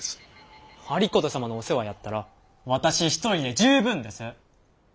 有功様のお世話やったら私一人で十分です！